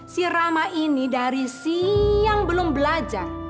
si rama ini dari siang belum belajar